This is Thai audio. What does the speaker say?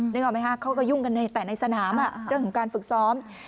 ออกไหมคะเขาก็ยุ่งกันแต่ในสนามเรื่องของการฝึกซ้อม